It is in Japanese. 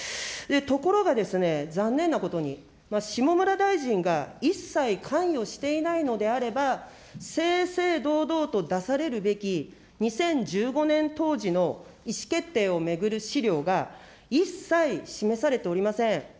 ところがですね、残念なことに、下村大臣が一切関与していないのであれば、正々堂々と出されるべき、２０１５年当時の意思決定を巡る資料が一切示されておりません。